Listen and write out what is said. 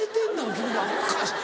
君らおかしい